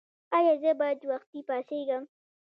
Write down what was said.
ایا زه باید وختي پاڅیږم؟